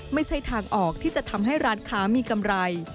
ไม่ใช่ทางออกที่จะทำให้ร้านค้ามีกำไร